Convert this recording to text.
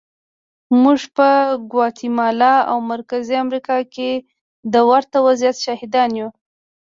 موږ په ګواتیمالا او مرکزي امریکا کې د ورته وضعیت شاهدان یو.